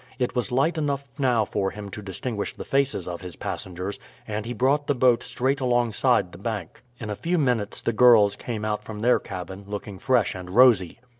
It was light enough now for him to distinguish the faces of his passengers, and he brought the boat straight alongside the bank. In a few minutes the girls came out from their cabin, looking fresh and rosy.